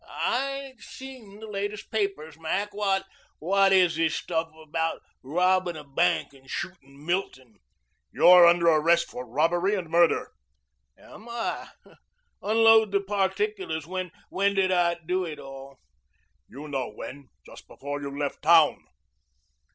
"I ain't seen the latest papers, Mac. What is this stuff about robbin' a bank and shootin' Milton?" "You're under arrest for robbery and murder." "Am I? Unload the particulars. When did I do it all?" "You know when. Just before you left town."